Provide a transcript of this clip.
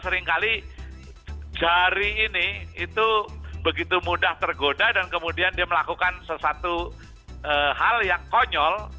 seringkali jari ini itu begitu mudah tergoda dan kemudian dia melakukan sesuatu hal yang konyol